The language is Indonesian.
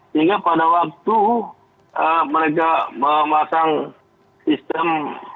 sehingga pada waktu mereka memasang sistem